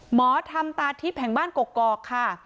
หมอธรรมตาทิพย์แห่งบ้านกกอกค่ะ